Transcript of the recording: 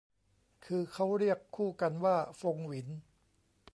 คือเค้าเรียกคู่กันว่าฟงหวิน